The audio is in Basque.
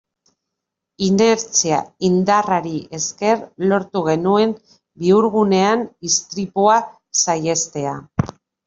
Inertzia indarrari esker lortu genuen bihurgunean istripua saihestea.